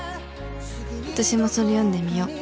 私もそれ読んでみよ